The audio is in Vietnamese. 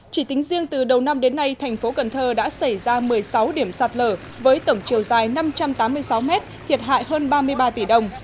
chỉ tính riêng từ đầu năm đến nay thành phố cần thơ đã xảy ra một mươi sáu điểm sạt lở với tổng chiều dài năm trăm tám mươi sáu mét thiệt hại hơn ba mươi ba tỷ đồng